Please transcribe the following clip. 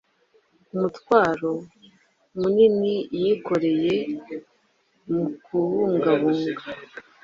Umutwaro munini yikoreye mukubungabunga